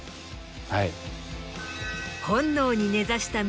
はい。